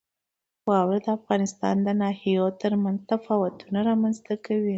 واوره د افغانستان د ناحیو ترمنځ تفاوتونه رامنځته کوي.